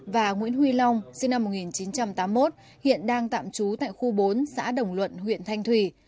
và nguyễn huy long sinh năm một nghìn chín trăm tám mươi một hiện đang tạm trú tại khu bốn xã đồng luận huyện thanh thủy